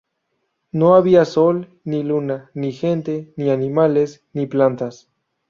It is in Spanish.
No había sol, ni luna, ni gente, ni animales, ni plantas.